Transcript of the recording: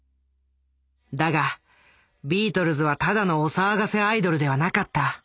だがビートルズはただのお騒がせアイドルではなかった。